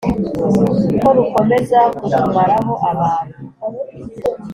ko rukomeza kutumaraho abantu